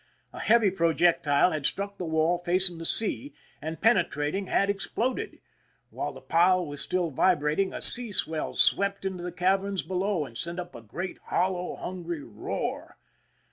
A heavy projectile had struck the wall facing the sea, and, penetrating, had exploded. While the pile still vibrated, a sea sweU swept into the caverns below, and sent up a great, hollow, hungry roar.